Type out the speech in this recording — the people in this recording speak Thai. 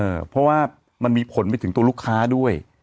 เพราะว่ามันมีผลไปถึงตัวลูกค้าด้วย